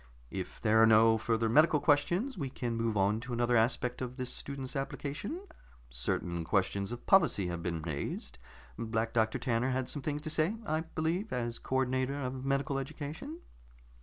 "If there are no further medical questions, we can move on to another aspect of this student's application. Certain questions of policy have been raised. Black Doctor Tanner had some things to say, I believe, as co ordinator of medical education."